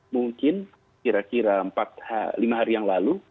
mungkin kira kira lima hari yang lalu